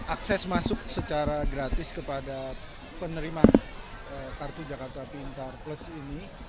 akses masuk secara gratis kepada penerima kartu jakarta pintar plus ini